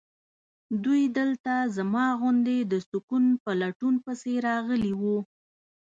دوی دلته زما غوندې د سکون په لټون پسې راغلي وي.